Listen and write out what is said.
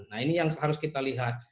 nah ini yang harus kita lihat